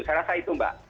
saya rasa itu mbak